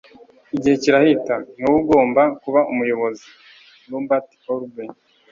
igihe kirahita. ni wowe ugomba kuba umuyobozi. - robert orben